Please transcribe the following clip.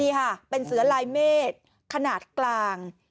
นี่ค่ะเป็นเสือลายเมฆขนาดกลาง